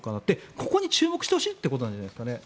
ここに注目してほしいってことじゃないですかね。